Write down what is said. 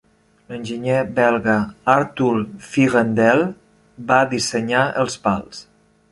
L'enginyer belga Artur Vierendeel va dissenyar els pals.